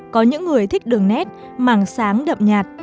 có những người thích đường nét màng sáng đậm nhạt